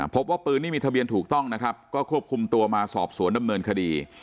พบว่าปืนนี่มีทะเบียนถูกต้องนะครับก็ควบคุมตัวมาสอบสวนดำเนินคดี